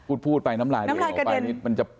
อุดพูดไปน้ำลายกระเด็น